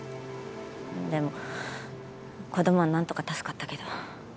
でも子供はなんとか助かったけど。